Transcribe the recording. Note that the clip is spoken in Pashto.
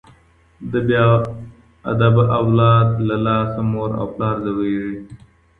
د بې ادبه اولاد له لاسه مور او پلار ځوریږي.